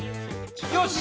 よし！